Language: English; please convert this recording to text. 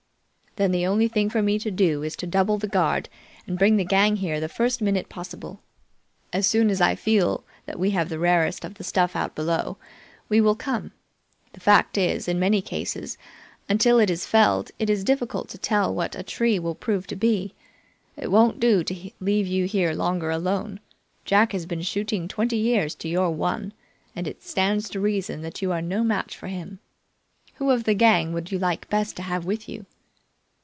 "Then the only thing for me to do is to double the guard and bring the gang here the first minute possible. As soon as I feel that we have the rarest of the stuff out below, we will come. The fact is, in many cases, until it is felled it's difficult to tell what a tree will prove to be. It won't do to leave you here longer alone. Jack has been shooting twenty years to your one, and it stands to reason that you are no match for him. Who of the gang would you like best to have with you?"